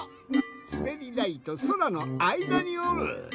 すべりだいとそらのあいだにおる。